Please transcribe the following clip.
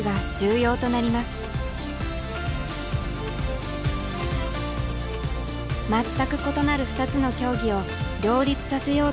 全く異なる２つの競技を両立させようという桃佳。